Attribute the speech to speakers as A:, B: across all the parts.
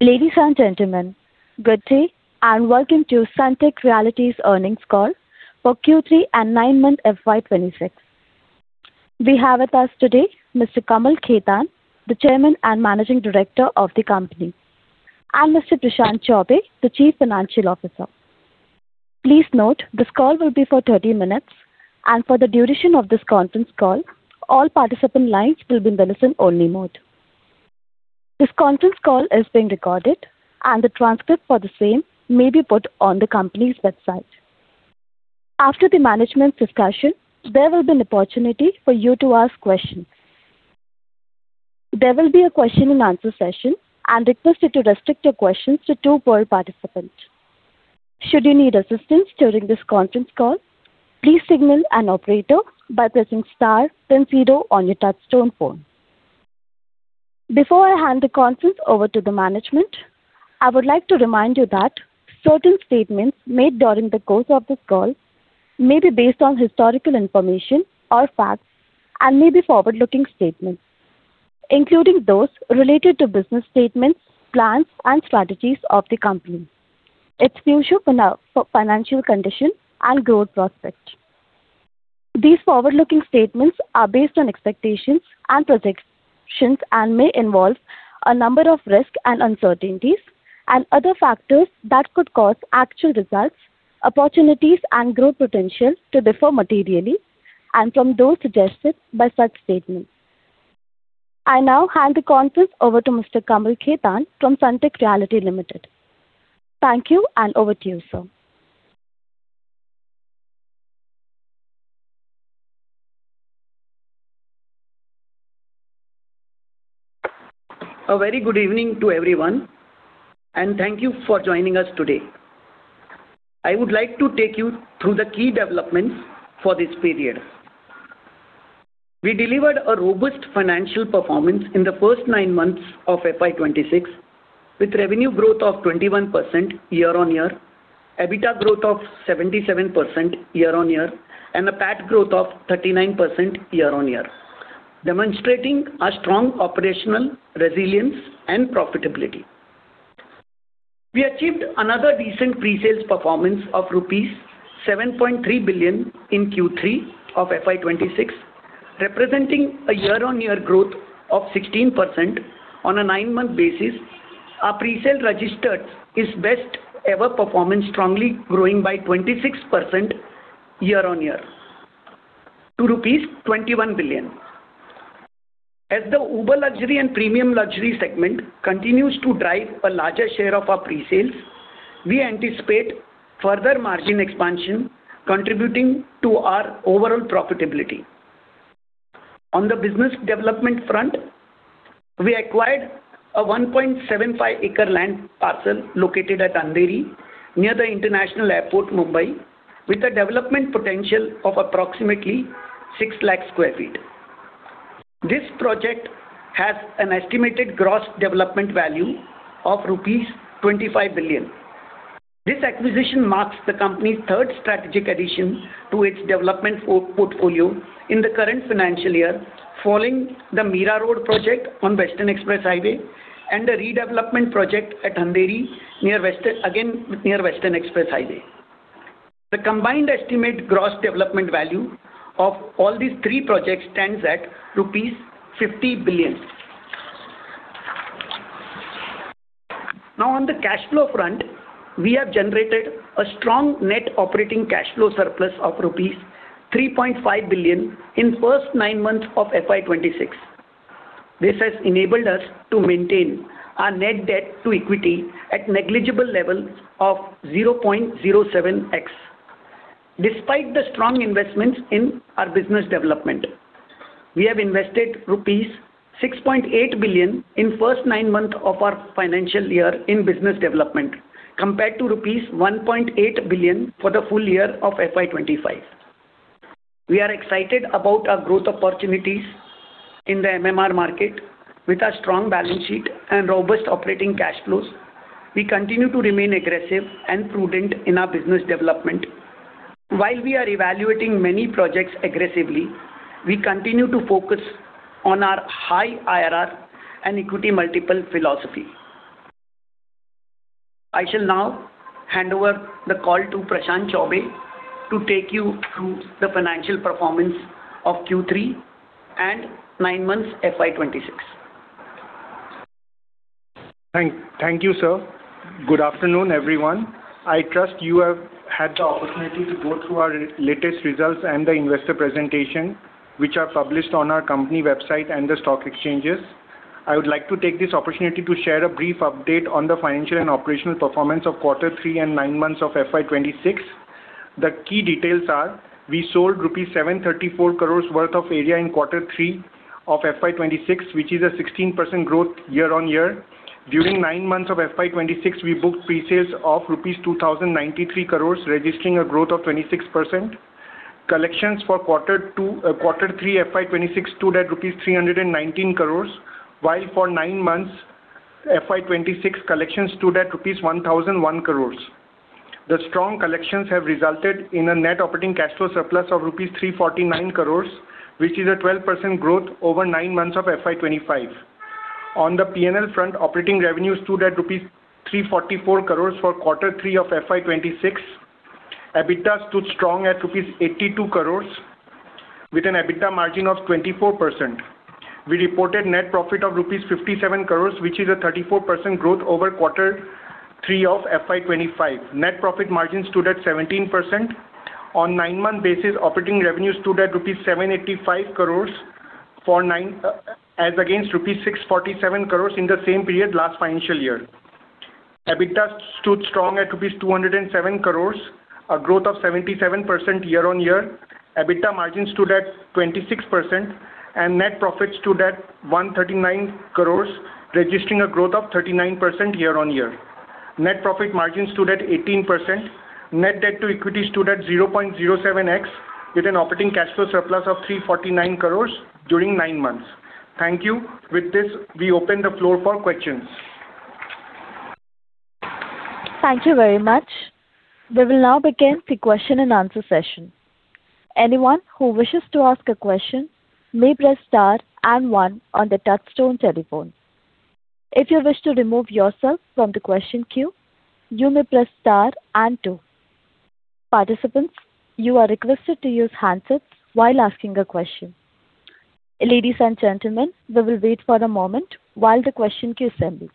A: Ladies and gentlemen, good day, and welcome to Sunteck Realty's Earnings Call for Q3 and 9 Month FY 2026. We have with us today Mr. Kamal Khaitan, the Chairman and Managing Director of the company, and Mr. Prashant Chaubey, the Chief Financial Officer. Please note, this call will be for 30 minutes, and for the duration of this conference call, all participant lines will be in listen-only mode. This conference call is being recorded, and the transcript for the same may be put on the company's website. After the management discussion, there will be an opportunity for you to ask questions. There will be a question and answer session. I am requested to restrict your questions to 2 per participant. Should you need assistance during this conference call, please signal an operator by pressing star then zero on your touchtone phone. Before I hand the conference over to the management, I would like to remind you that certain statements made during the course of this call may be based on historical information or facts and may be forward-looking statements, including those related to business statements, plans, and strategies of the company, its future financial condition and growth prospects. These forward-looking statements are based on expectations and projections, and may involve a number of risks and uncertainties and other factors that could cause actual results, opportunities, and growth potential to differ materially from those suggested by such statements. I now hand the conference over to Mr. Kamal Khaitan from Sunteck Realty Limited. Thank you, and over to you, sir.
B: A very good evening to everyone, and thank you for joining us today. I would like to take you through the key developments for this period. We delivered a robust financial performance in the first nine months of FY 2026, with revenue growth of 21% year-over-year, EBITDA growth of 77% year-over-year, and a PAT growth of 39% year-over-year, demonstrating a strong operational resilience and profitability. We achieved another decent pre-sales performance of rupees 7.3 billion in Q3 of FY 2026, representing a year-over-year growth of 16%. On a nine-month basis, our pre-sales registered its best ever performance, strongly growing by 26% year-over-year to rupees 21 billion. As the ultra luxury and premium luxury segment continues to drive a larger share of our pre-sales, we anticipate further margin expansion, contributing to our overall profitability. On the business development front, we acquired a 1.75-acre land parcel located at Andheri, near the International Airport, Mumbai, with a development potential of approximately 600,000 sq ft. This project has an estimated gross development value of rupees 25 billion. This acquisition marks the company's third strategic addition to its development portfolio in the current financial year, following the Mira Road project on Western Express Highway and the redevelopment project at Andheri, near Western Express Highway again, near Western Express Highway. The combined estimated gross development value of all these three projects stands at rupees 50 billion. Now, on the cash flow front, we have generated a strong net operating cash flow surplus of rupees 3.5 billion in first nine months of FY 2026. This has enabled us to maintain our net debt to equity at negligible level of 0.07x. Despite the strong investments in our business development, we have invested rupees 6.8 billion in first 9 months of our financial year in business development, compared to rupees 1.8 billion for the full year of FY 2025. We are excited about our growth opportunities in the MMR market. With a strong balance sheet and robust operating cash flows, we continue to remain aggressive and prudent in our business development. While we are evaluating many projects aggressively, we continue to focus on our high IRR and equity multiple philosophy. I shall now hand over the call to Prashant Chaubey to take you through the financial performance of Q3 and 9 months FY 2026.
C: Thank you, sir. Good afternoon, everyone. I trust you have had the opportunity to go through our latest results and the investor presentation, which are published on our company website and the stock exchanges. I would like to take this opportunity to share a brief update on the financial and operational performance of quarter three and nine months of FY 2026. The key details are: we sold 734 crore rupees worth of area in quarter three of FY 2026, which is a 16% growth year-on-year. During nine months of FY 2026, we booked pre-sales of 2,093 crore rupees, registering a growth of 26%. Collections for quarter two, quarter three FY 2026 stood at INR 319 crore, while for nine months FY 2026, collections stood at rupees 1,001 crore. The strong collections have resulted in a net operating cash flow surplus of rupees 349 crore, which is a 12% growth over nine months of FY 2025. On the P&L front, operating revenues stood at rupees 344 crore for quarter 3 of FY 2026. EBITDA stood strong at rupees 82 crore, with an EBITDA margin of 24%. We reported net profit of rupees 57 crore, which is a 34% growth over quarter 3 of FY 2025. Net profit margin stood at 17%. On nine-month basis, operating revenues stood at rupees 785 crore for nine, as against rupees 647 crore in the same period last financial year. EBITDA stood strong at rupees 207 crore, a growth of 77% year-on-year. EBITDA margin stood at 26% and net profit stood at 139 crore, registering a growth of 39% year-on-year. Net profit margin stood at 18%. Net debt to equity stood at 0.07x, with an operating cash flow surplus of 349 crore during 9 months. Thank you. With this, we open the floor for questions.
A: Thank you very much. We will now begin the question and answer session. Anyone who wishes to ask a question may press star and one on their touchtone telephone. If you wish to remove yourself from the question queue, you may press star and two. Participants, you are requested to use handsets while asking a question. Ladies and gentlemen, we will wait for a moment while the question queue assembles.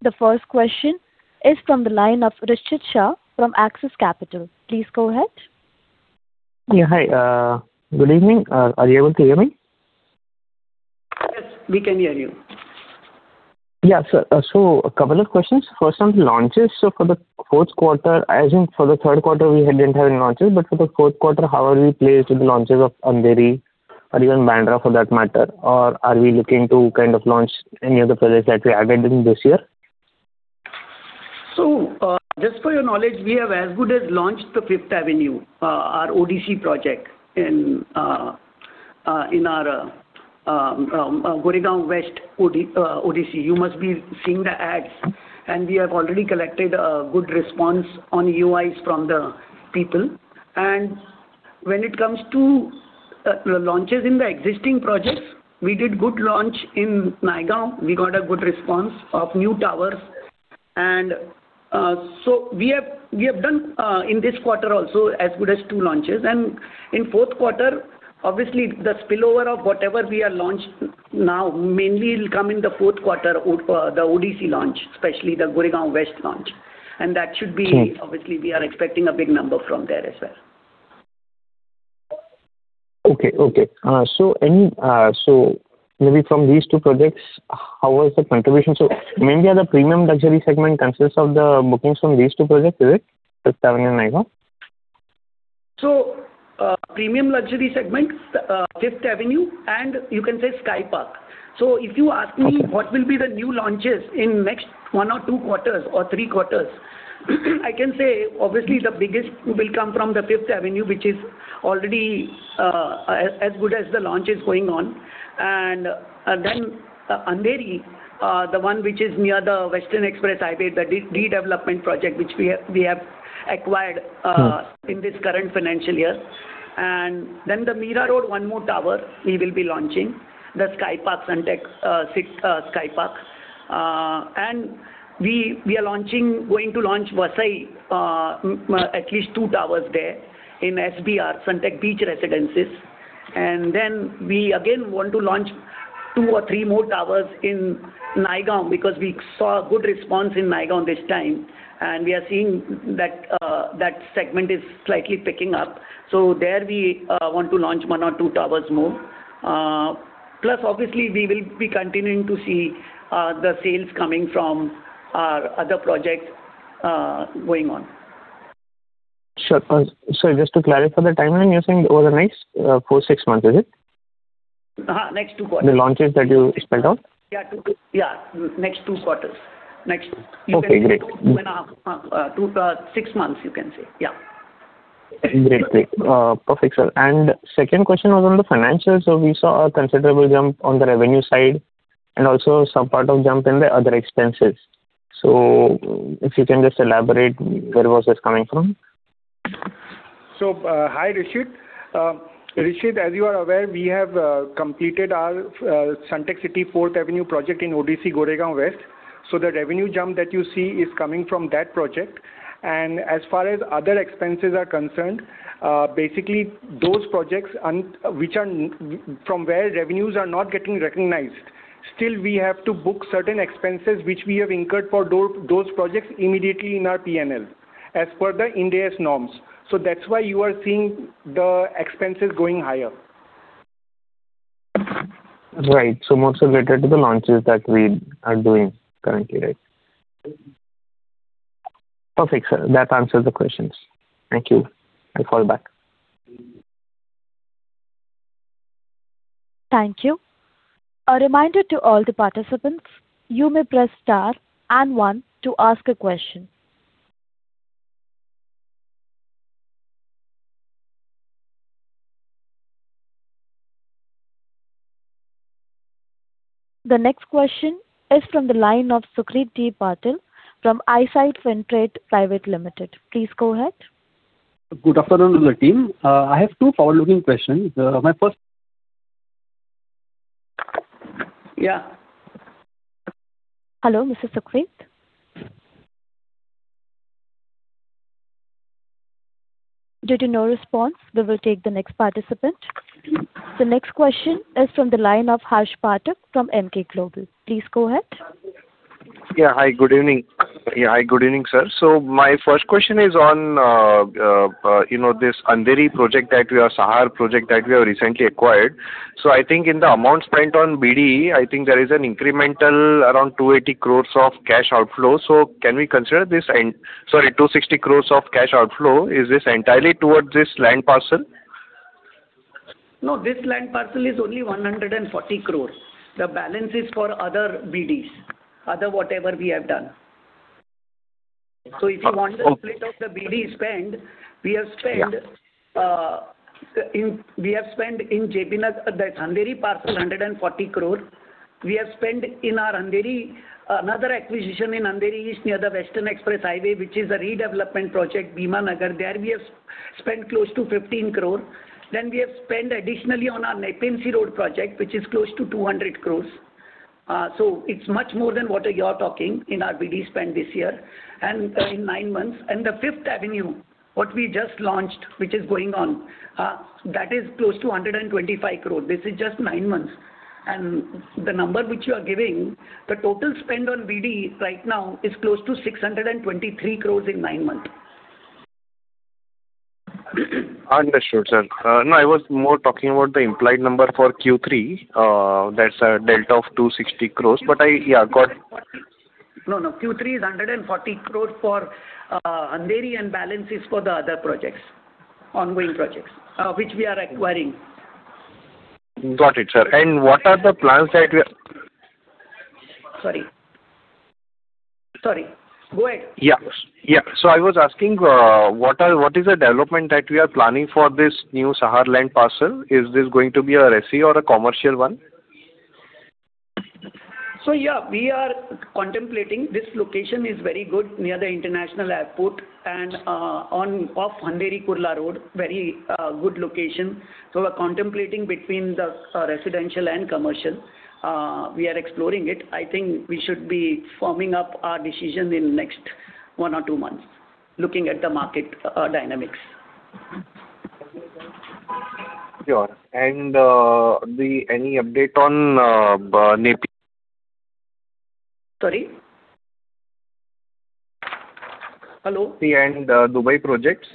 A: The first question is from the line of Rishith Shah from Axis Capital. Please go ahead.
D: Yeah, hi. Good evening. Are you able to hear me?
B: Yes, we can hear you.
D: Yeah. So, a couple of questions. First, on the launches. So for the fourth quarter, as in for the third quarter, we didn't have any launches, but for the fourth quarter, how are we placed with the launches of Andheri or even Bandra, for that matter? Or are we looking to kind of launch any other projects that we added in this year?
B: So, just for your knowledge, we have as good as launched the 5th Avenue, our ODC project in our Goregaon West ODC. You must be seeing the ads, and we have already collected a good response on EOIs from the people. And when it comes to launches in the existing projects, we did good launch in Naigaon. We got a good response of new towers. And so we have done in this quarter also as good as two launches. And in fourth quarter, obviously the spillover of whatever we are launched now, mainly will come in the fourth quarter, the ODC launch, especially the Goregaon West launch. And that should be-
D: Okay.
B: Obviously, we are expecting a big number from there as well.
D: Okay, okay. So maybe from these two projects, how was the contribution? So mainly are the premium luxury segment consists of the bookings from these two projects, is it? 5th Avenue and Naigaon.
B: So, premium luxury segment, 5th Avenue, and you can say Sky Park. So if you ask me-
D: Okay.
B: What will be the new launches in next 1 or 2 quarters or 3 quarters, I can say obviously the biggest will come from the 5th Avenue, which is already as good as the launch is going on. And then Andheri, the one which is near the Western Express Highway, the redevelopment project, which we have acquired.
D: Mm.
B: in this current financial year. And then the Mira Road, one more tower, we will be launching, the Sunteck Sky Park, sixth, Sky Park. And we are launching... going to launch Vasai, at least two towers there in SBR, Sunteck Beach Residences. And then we again want to launch two or three more towers in Naigaon, because we saw a good response in Naigaon this time, and we are seeing that, that segment is slightly picking up. So there, we want to launch one or two towers more. Plus, obviously, we will be continuing to see, the sales coming from our other projects, going on.
D: Sure. So just to clarify the timeline, you're saying over the next 4-6 months, is it?
B: Huh, next two quarters.
D: The launches that you spelled out?
B: Yeah, next 2 quarters. Next-
D: Okay.
B: You can say 2.5, 2, 6 months, you can say. Yeah.
D: Great. Great. Perfect, sir. Second question was on the financials. We saw a considerable jump on the revenue side and also some part of jump in the other expenses. If you can just elaborate where was this coming from?
C: So, hi, Rishith. Rishith, as you are aware, we have completed our Sunteck City 4th Avenue project in ODC Goregaon West. So the revenue jump that you see is coming from that project. And as far as other expenses are concerned, basically those projects from where revenues are not getting recognized, still, we have to book certain expenses which we have incurred for those, those projects immediately in our P&L, as per the Ind AS norms. So that's why you are seeing the expenses going higher.
D: Right. So most are related to the launches that we are doing currently, right? Perfect, sir. That answers the questions. Thank you. I'll call back.
A: Thank you. A reminder to all the participants, you may press star and one to ask a question. The next question is from the line of Sucrit D. Patil from ICICI Prudential Asset Management Company Limited. Please go ahead.
E: Good afternoon, team. I have two forward-looking questions. My first-
B: Yeah.
A: Hello, Mr. Sucrit? Due to no response, we will take the next participant. The next question is from the line of Harsh Pathak from Emkay Global. Please go ahead.
F: Yeah, hi, good evening. Yeah, hi, good evening, sir. So my first question is on, you know, this Andheri project, the Sahar project that we have recently acquired. So I think in the amount spent on BD, I think there is an incremental around 280 crore of cash outflow. So can we consider this. Sorry, 260 crore of cash outflow, is this entirely towards this land parcel?
B: No, this land parcel is only 140 crore. The balance is for other BDs, other whatever we have done. So if you want to split up the BD spend, we have spent, we have spent in J.B. Nagar, that's Andheri parcel, 140 crore. We have spent in our Andheri, another acquisition in Andheri, is near the Western Express Highway, which is a redevelopment project, Bhim Nagar. There we have spent close to 15 crore. Then we have spent additionally on our Nepean Sea Road project, which is close to 200 crore. So it's much more than what you're talking in our BD spend this year, and, in nine months. And the 5th Avenue, what we just launched, which is going on, that is close to 125 crore. This is just nine months. The number which you are giving, the total spend on BD right now is close to 623 crore in 9 months.
F: Understood, sir. No, I was more talking about the implied number for Q3, that's a delta of 260 crores, but I, yeah, got-
B: No, no. Q3 is 140 crore for Andheri, and balance is for the other projects, ongoing projects, which we are acquiring.
F: Got it, sir. And what are the plans that we are-
B: Sorry. Sorry, go ahead.
F: Yeah. Yeah. So I was asking, what are, what is the development that we are planning for this new Sahar land parcel? Is this going to be a resi or a commercial one?
B: So, yeah, we are contemplating. This location is very good, near the international airport and off Andheri-Kurla Road. Very good location. So we're contemplating between the residential and commercial. We are exploring it. I think we should be forming up our decision in next one or two months, looking at the market dynamics.
F: Sure. Any update on Nepean?
B: Sorry? Hello.
F: Nepean, Dubai projects.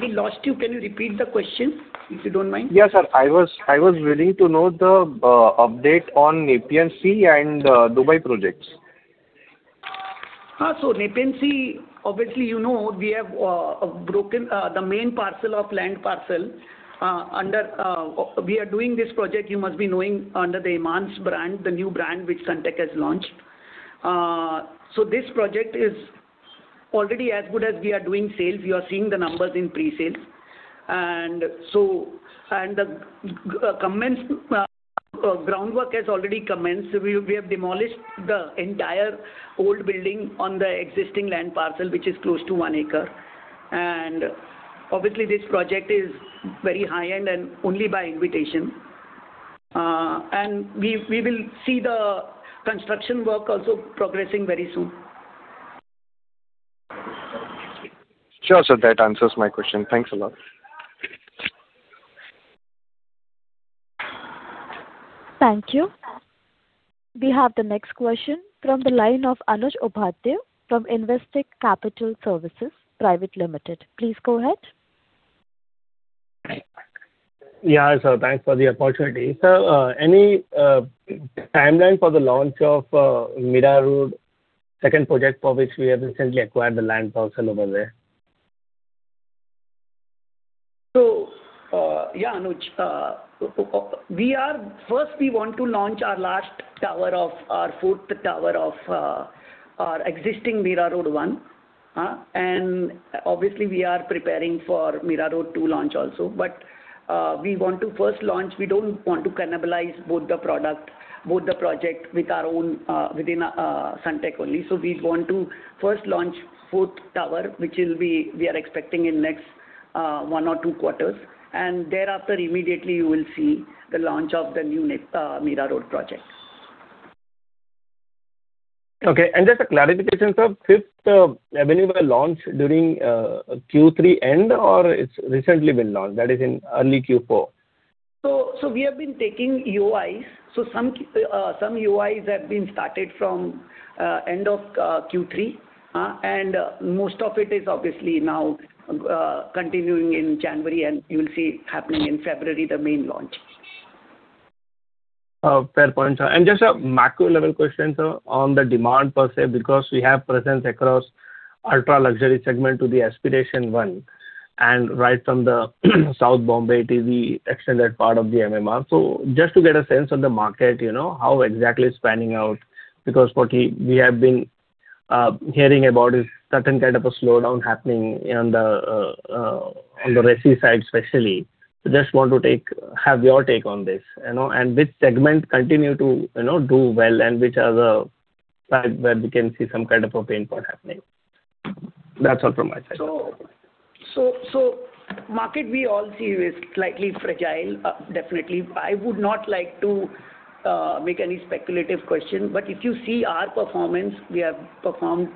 B: We lost you. Can you repeat the question, if you don't mind?
F: Yes, sir. I was willing to know the update on Nepean Sea and Dubai projects.
B: So Nepean Sea, obviously, you know, we have broken the main parcel of land parcel under we are doing this project, you must be knowing, under the Emaance brand, the new brand which Sunteck has launched. So this project is already as good as we are doing sales. We are seeing the numbers in pre-sale. And so, and the commenced groundwork has already commenced. We have demolished the entire old building on the existing land parcel, which is close to one acre. And obviously, this project is very high-end and only by invitation. And we will see the construction work also progressing very soon.
F: Sure, sir. That answers my question. Thanks a lot.
A: Thank you. We have the next question from the line of Anuj Upadhyay from Investec Capital Services Private Limited. Please go ahead.
G: Yeah, so thanks for the opportunity. Sir, any timeline for the launch of Mira Road, second project for which we have recently acquired the land parcel over there?
B: So, yeah, Anuj, we are first, we want to launch our last tower of our fourth tower of our existing Mira Road One, and obviously we are preparing for Mira Road Two launch also. But, we want to first launch, we don't want to cannibalize both the product, both the project with our own, within Sunteck only. So we want to first launch fourth tower, which will be, we are expecting in next one or two quarters, and thereafter, immediately you will see the launch of the new Mira Road project.
G: Okay. Just a clarification, sir. 5th Avenue were launched during Q3 end, or it's recently been launched, that is, in early Q4?
B: So we have been taking EOIs. So some EOIs have been started from end of Q3, and most of it is obviously now continuing in January, and you will see happening in February, the main launch.
G: Fair point, sir. Just a macro-level question, sir, on the demand per se, because we have presence across ultra-luxury segment to the aspiration one, and right from the South Bombay to the extended part of the MMR. So just to get a sense of the market, you know, how exactly it's panning out, because what we have been hearing about a certain kind of a slowdown happening on the resi side especially. Just want to have your take on this, you know, and which segment continue to, you know, do well, and which are the parts where we can see some kind of a pain point happening? That's all from my side.
B: So, so, so market we all see is slightly fragile. Definitely. I would not like to make any speculative question, but if you see our performance, we have performed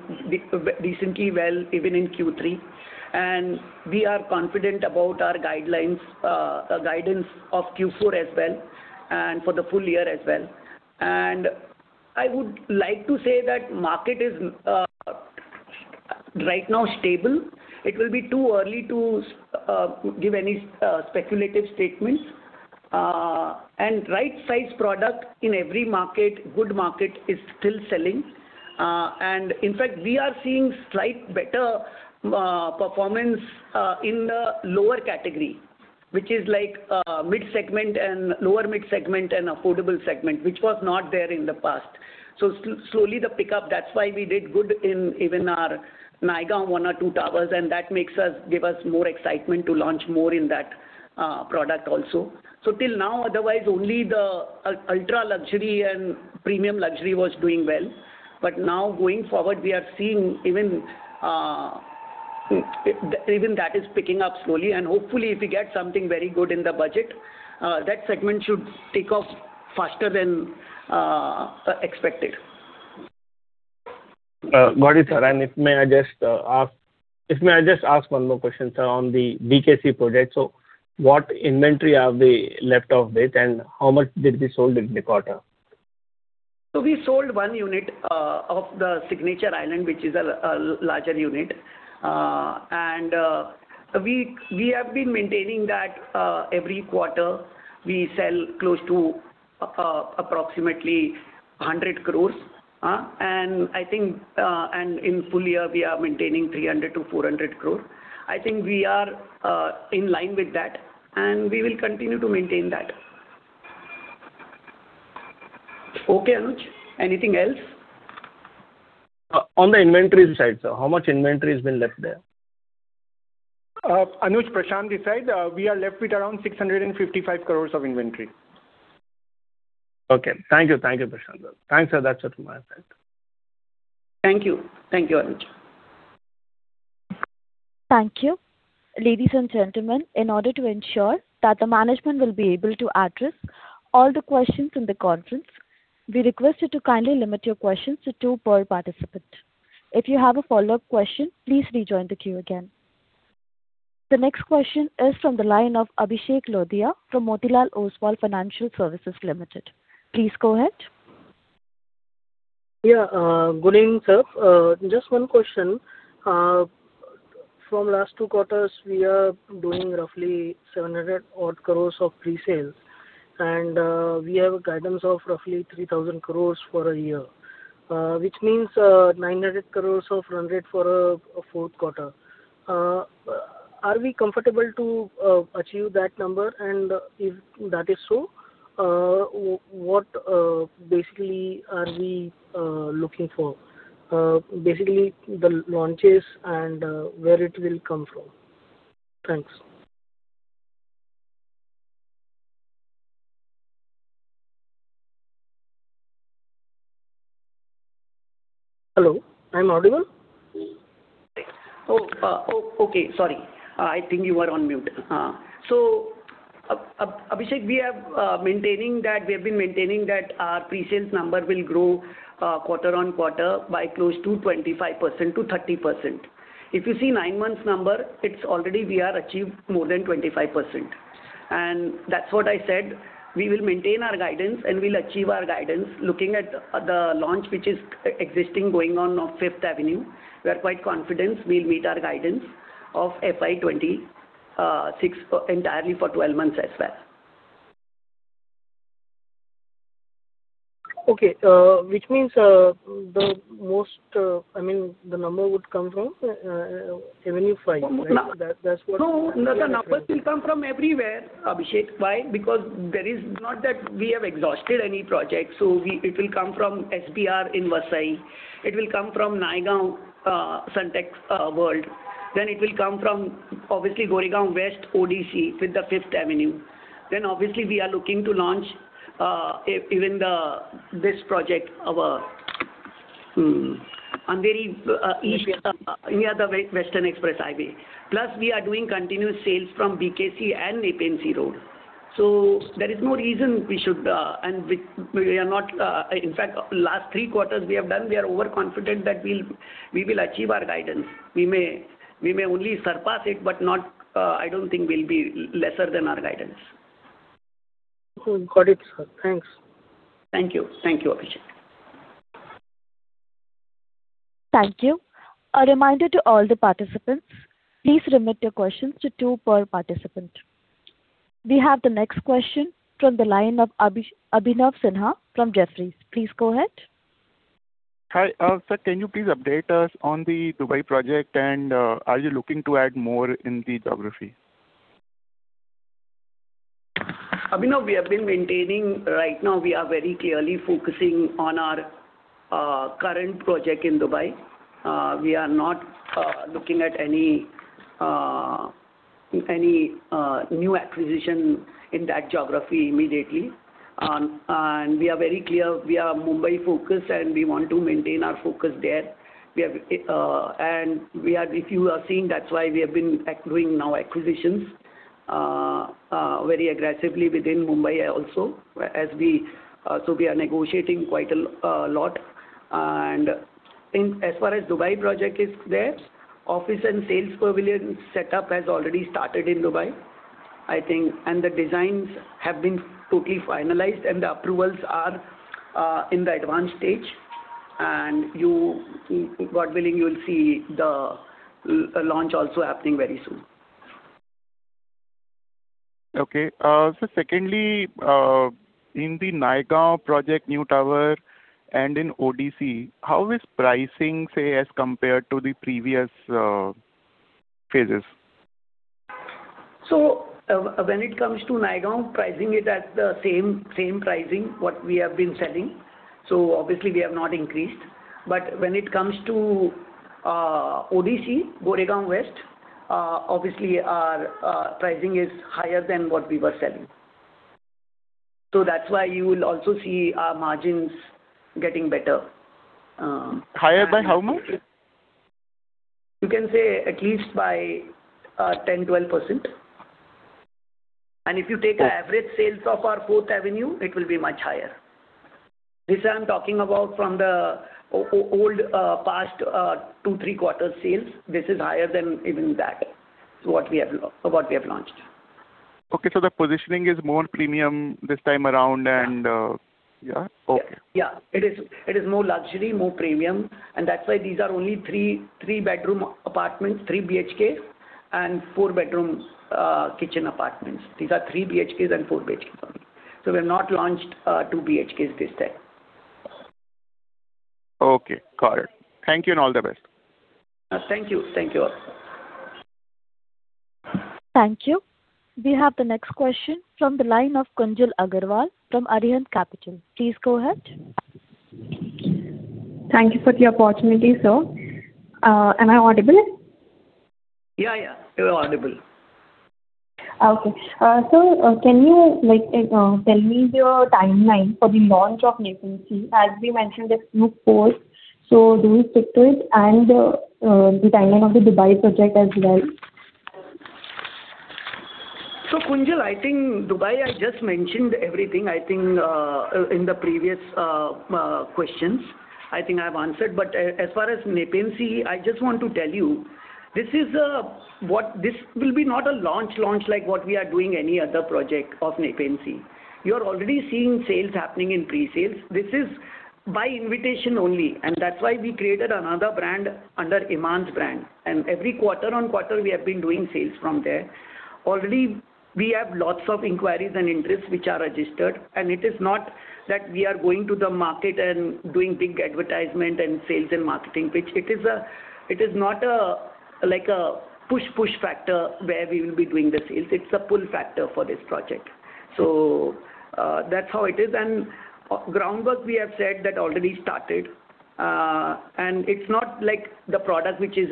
B: recently well, even in Q3, and we are confident about our guidance of Q4 as well, and for the full year as well. I would like to say that market is right now stable. It will be too early to give any speculative statements. And right size product in every market, good market, is still selling. And in fact, we are seeing slight better performance in the lower category, which is like mid segment and lower mid segment and affordable segment, which was not there in the past. So slowly, the pickup, that's why we did good in even our Naigaon one or two towers, and that makes us give us more excitement to launch more in that product also. So till now, otherwise, only the ultra luxury and premium luxury was doing well. But now, going forward, we are seeing even even that is picking up slowly, and hopefully, if we get something very good in the budget, that segment should take off faster than expected.
G: Got it, sir. And, may I just ask one more question, sir, on the BKC project. So, what inventory are we left off with, and how much did we sold in the quarter?
B: So we sold one unit of the Signature Island, which is a larger unit. And we have been maintaining that every quarter, we sell close to approximately 100 crores, and I think and in full year, we are maintaining 300 crore-400 crore. I think we are in line with that, and we will continue to maintain that. Okay, Anuj, anything else?
G: On the inventories side, sir, how much inventory has been left there?
C: Anuj, Prashant this side, we are left with around 655 crore of inventory.
G: Okay. Thank you. Thank you, Prashant. Thanks, sir. That's it from my side.
B: Thank you. Thank you, Anuj.
A: Thank you. Ladies and gentlemen, in order to ensure that the management will be able to address all the questions in the conference, we request you to kindly limit your questions to two per participant. If you have a follow-up question, please rejoin the queue again. The next question is from the line of Abhishek Lodhia from Motilal Oswal Financial Services Limited. Please go ahead.
H: Yeah, good evening, sir. Just one question. From last two quarters, we are doing roughly 700 odd crores of pre-sales, and we have a guidance of roughly 3,000 crores for a year, which means 900 crores of run rate for a fourth quarter. Are we comfortable to achieve that number? And if that is so, what basically are we looking for? Basically, the launches and where it will come from. Thanks.
B: Hello, I'm audible? I think you were on mute. So Abhishek, we are maintaining that—we have been maintaining that our pre-sales number will grow quarter on quarter by close to 25% to 30%. If you see nine months number, it's already we are achieved more than 25%. And that's what I said, we will maintain our guidance, and we'll achieve our guidance. Looking at the launch, which is existing, going on 5th Avenue, we are quite confident we'll meet our guidance of FY 2026 entirely for twelve months as well.
H: Okay, which means, the most, I mean, the number would come from 5th Avenue, right? That, that's what-
C: No, the numbers will come from everywhere, Abhishek. Why? Because there is not that we have exhausted any project, so we—it will come from SBR in Vasai. It will come from Naigaon, Sunteck World. Then it will come from, obviously, Goregaon West, ODC with the 5th Avenue. Then obviously, we are looking to launch, even this project, our Andheri, near the Western Express Highway. Plus, we are doing continuous sales from BKC and Nepean Sea Road. So there is no reason we should, and we, we are not. In fact, last three quarters we have done, we are overconfident that we'll, we will achieve our guidance. We may, we may only surpass it, but not, I don't think we'll be lesser than our guidance.
H: Got it, sir. Thanks.
B: Thank you. Thank you, Abhishek.
A: Thank you. A reminder to all the participants, please limit your questions to two per participant. We have the next question from the line of Abhinav Sinha from Jefferies. Please go ahead.
I: Hi. Sir, can you please update us on the Dubai project, and are you looking to add more in the geography?
B: Abhinav, we have been maintaining, right now we are very clearly focusing on our current project in Dubai. We are not looking at any new acquisition in that geography immediately. And we are very clear, we are Mumbai-focused, and we want to maintain our focus there. We have, and we are—if you are seeing, that's why we have been doing now acquisitions very aggressively within Mumbai also, whereas we, so we are negotiating quite a lot. And as far as Dubai project is there, office and sales pavilion setup has already started in Dubai, I think, and the designs have been totally finalized, and the approvals are in the advanced stage. And you, God-willing, you will see the launch also happening very soon.
I: Okay. So secondly, in the Naigaon project, new tower and in ODC, how is pricing, say, as compared to the previous phases?
B: So, when it comes to Naigaon, pricing is at the same, same pricing what we have been selling, so obviously we have not increased. But when it comes to ODC, Goregaon West, obviously, our pricing is higher than what we were selling. So that's why you will also see our margins getting better.
I: Higher by how much?
B: You can say at least by 10, 12%. And if you take-
I: Okay.
B: -average sales of our Fourth Avenue, it will be much higher. This I'm talking about from the old, past, two-three quarter sales. This is higher than even that, so what we have, what we have launched.
I: Okay, so the positioning is more premium this time around and...
B: Yeah.
I: Yeah? Okay.
B: Yeah, it is, it is more luxury, more premium, and that's why these are only three-bedroom apartments, three BHK, and four-bedroom kitchen apartments. These are three BHKs and four BHKs only. So we have not launched two BHKs this time.
I: Okay, got it. Thank you, and all the best.
B: Thank you. Thank you also.
A: Thank you. We have the next question from the line of Kunjal Agarwal from Arihant Capital. Please go ahead.
J: Thank you for the opportunity, sir. Am I audible?
B: Yeah, yeah, you are audible.
J: Okay. Sir, can you, like, tell me your timeline for the launch of Nepean Sea? As we mentioned a few quarters, so do we stick to it, and the timeline of the Dubai project as well?
B: So, Kunjal, I think Dubai, I just mentioned everything, I think, in the previous questions. I think I've answered. But as far as Nepean Sea, I just want to tell you, this is what... This will be not a launch, launch, like what we are doing any other project of Nepean Sea. You're already seeing sales happening in pre-sales. This is by invitation only, and that's why we created another brand under Emaance's brand. And every quarter on quarter, we have been doing sales from there. Already, we have lots of inquiries and interests which are registered, and it is not that we are going to the market and doing big advertisement in sales and marketing, which it is a-- it is not a, like, a push, push factor where we will be doing the sales. It's a pull factor for this project. So, that's how it is. And, groundwork, we have said that already started. And it's not like the product which is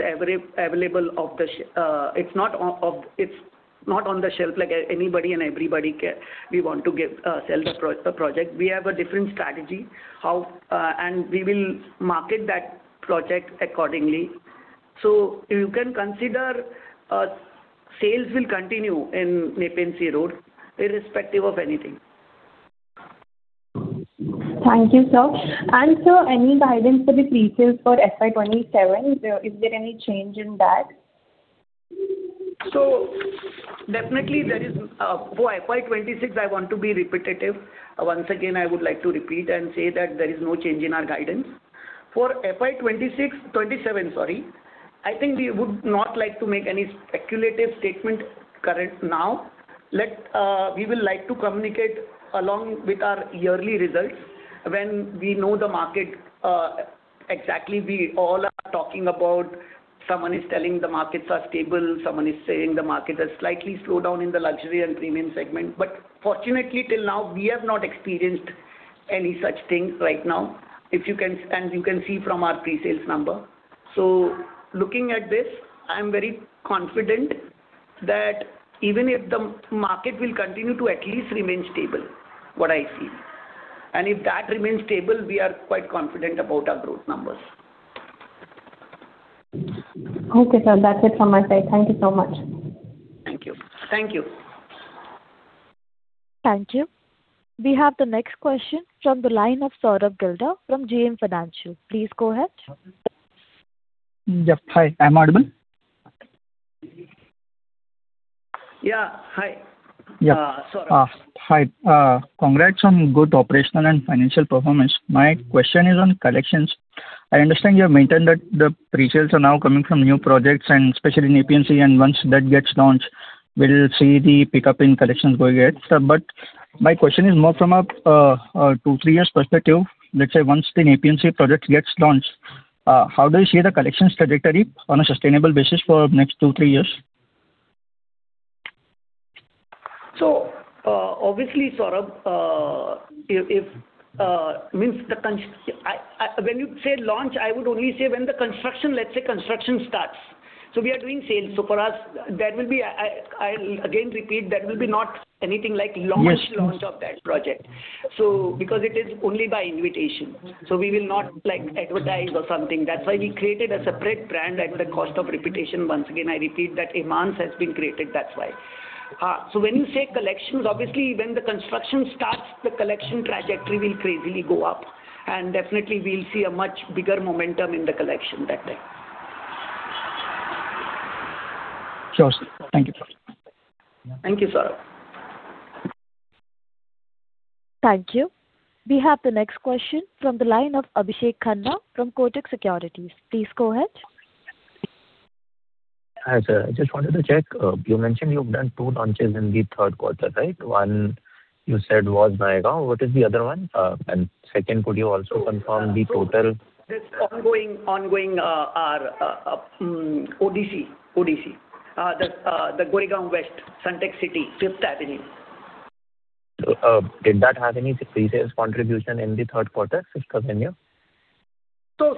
B: available off the shelf. It's not off, it's not on the shelf like anybody and everybody can... We want to give, sell the project. We have a different strategy, how, and we will market that project accordingly. So you can consider, sales will continue in Nepean Sea Road, irrespective of anything.
J: Thank you, sir. Sir, any guidance for the pre-sales for FY 2027? Is there, is there any change in that?
B: So definitely there is, for FY 2026, I want to be repetitive. Once again, I would like to repeat and say that there is no change in our guidance. For FY 2026, 2027, sorry, I think we would not like to make any speculative statement current now. Let, we will like to communicate along with our yearly results when we know the market, exactly. We all are talking about someone is telling the markets are stable, someone is saying the market has slightly slowed down in the luxury and premium segment. But fortunately, till now, we have not experienced any such thing right now, if you can, and you can see from our pre-sales number. So looking at this, I am very confident that even if the market will continue to at least remain stable, what I see. If that remains stable, we are quite confident about our growth numbers.
J: Okay, sir. That's it from my side. Thank you so much.
B: Thank you. Thank you.
A: Thank you. We have the next question from the line of Sourabh Gilda from JM Financial. Please go ahead.
K: Yeah, hi. I'm audible?
B: Yeah. Hi.
K: Yeah.
B: Uh, Sourabh.
K: Hi. Congrats on good operational and financial performance. My question is on collections. I understand you have maintained that the pre-sales are now coming from new projects and especially Nepean Sea, and once that gets launched, we'll see the pickup in collections going ahead. So but my question is more from a 2-3 years perspective. Let's say, once the Nepean Sea project gets launched. How do you see the collections trajectory on a sustainable basis for next 2-3 years?
B: So, obviously, Sourabh, when you say launch, I would only say when the construction, let's say, construction starts. So we are doing sales. So for us, that will be, I'll again repeat, that will be not anything like launch, launch of that project. So because it is only by invitation, so we will not, like, advertise or something. That's why we created a separate brand at the cost of reputation. Once again, I repeat, that Emaance has been created, that's why. So when you say collections, obviously, when the construction starts, the collection trajectory will crazily go up, and definitely we'll see a much bigger momentum in the collection that day.
K: Sure, sir. Thank you.
B: Thank you, Sourabh.
A: Thank you. We have the next question from the line of Abhishek Khanna from Kotak Securities. Please go ahead.
L: Hi, sir. I just wanted to check, you mentioned you've done two launches in the third quarter, right? One, you said was Naigaon. What is the other one? And second, could you also confirm the total?
B: It's ongoing, ongoing, our ODC, ODC. The Goregaon West, Sunteck City, 5th Avenue.
L: Did that have any pre-sales contribution in the third quarter, 5th Avenue?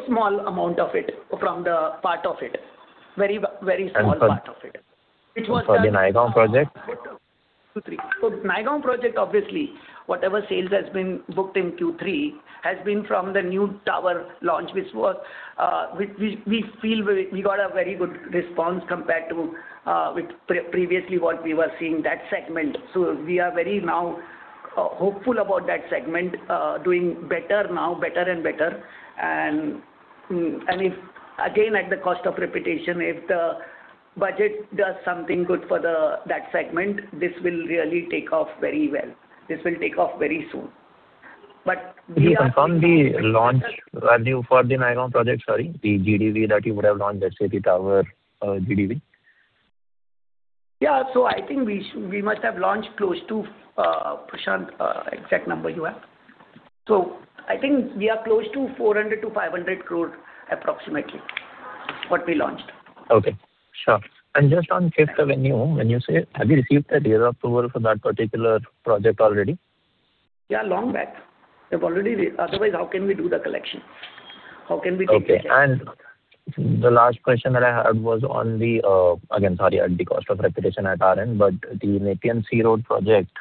B: Small amount of it, from the part of it. Very, very small part of it.
L: And for the Naigaon project?
B: Q3. So Naigaon project, obviously, whatever sales has been booked in Q3, has been from the new tower launch, which we feel very. We got a very good response compared to, with previously what we were seeing that segment. So we are very now hopeful about that segment doing better now, better and better. And if, again, at the cost of repetition, if the budget does something good for the, that segment, this will really take off very well. This will take off very soon. But we are-
L: Can you confirm the launch value for the Naigaon project, sorry, the GDV that you would have launched, let's say, the tower, GDV?
B: Yeah. So I think we must have launched close to, Prashant, exact number you have? So I think we are close to 400 crore-500 crore, approximately, what we launched.
L: Okay. Sure. Just on 5th Avenue, when you say, have you received that RERA approval for that particular project already?
B: Yeah, long back. We've already re... Otherwise, how can we do the collection? How can we take the collection?
L: Okay. The last question that I had was on the, again, sorry, at the cost of repetition at our end, but the Nepean Sea Road project,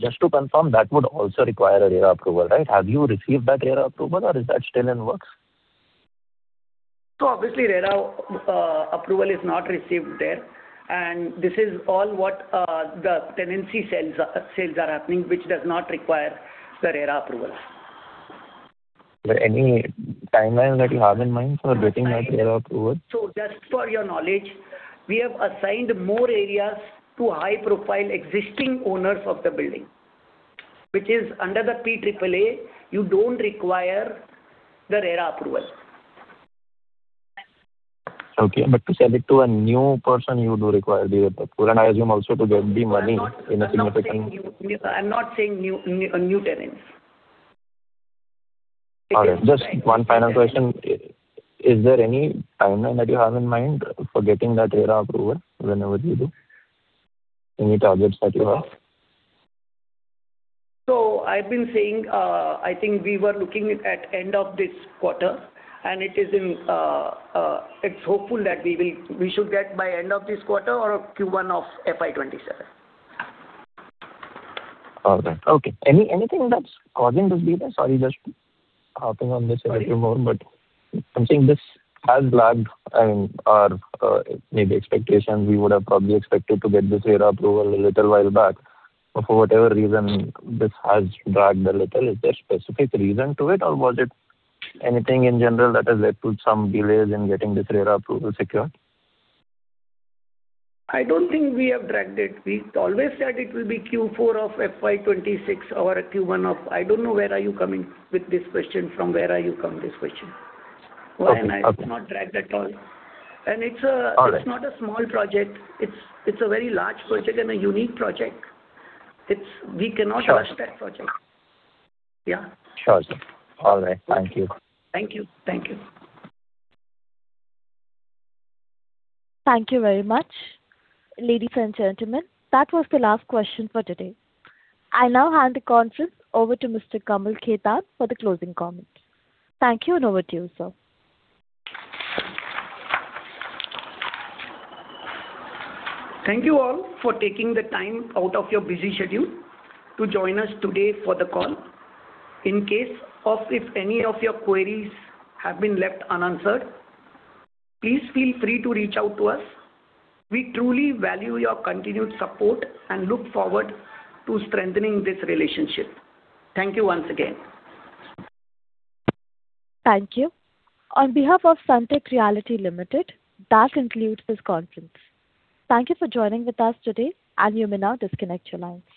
L: just to confirm, that would also require a RERA approval, right? Have you received that RERA approval or is that still in the works?
B: So obviously, RERA approval is not received there, and this is all what the tenancy sales sales are happening, which does not require the RERA approval.
L: Any timeline that you have in mind for getting that RERA approval?
B: So just for your knowledge, we have assigned more areas to high-profile existing owners of the building, which is under the PAAA. You don't require the RERA approval.
L: Okay, but to sell it to a new person, you do require the RERA approval, and I assume also to get the money in a significant-
B: I'm not saying new, new tenants.
L: All right. Just one final question. Is there any timeline that you have in mind for getting that RERA approval, whenever you do? Any targets that you have?
B: So I've been saying, I think we were looking at end of this quarter, and it is in, it's hopeful that we will—we should get by end of this quarter or Q1 of FY 2027.
L: All right. Okay. Anything that's causing this delay? Sorry, just harping on this a little more, but I'm saying this has lagged and our maybe expectations. We would have probably expected to get this RERA approval a little while back, but for whatever reason, this has dragged a little. Is there a specific reason to it, or was it anything in general that has led to some delays in getting this RERA approval secured?
B: I don't think we have dragged it. We always said it will be Q4 of FY 2026 or Q1 of... I don't know where are you coming with this question, from where are you come this question?
L: Okay.
B: Well, I have not dragged at all.
L: All right.
B: It's not a small project. It's a very large project and a unique project. We cannot rush that project.
L: Sure.
B: Yeah.
L: Sure, sir. All right. Thank you.
B: Thank you. Thank you.
A: Thank you very much, ladies and gentlemen. That was the last question for today. I now hand the conference over to Mr. Kamal Khetan for the closing comments. Thank you, and over to you, sir.
B: Thank you all for taking the time out of your busy schedule to join us today for the call. In case if any of your queries have been left unanswered, please feel free to reach out to us. We truly value your continued support and look forward to strengthening this relationship. Thank you once again.
A: Thank you. On behalf of Sunteck Realty Limited, that concludes this conference. Thank you for joining with us today, and you may now disconnect your lines.